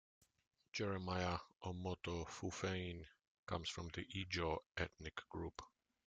Jeremiah Omoto Fufeyin comes from the Ijaw ethnic group.